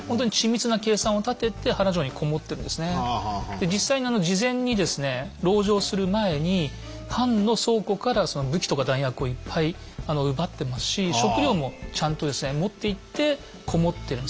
で実際に事前にですね籠城をする前に藩の倉庫からその武器とか弾薬をいっぱい奪ってますし食料もちゃんとですね持っていって籠もってるんですね。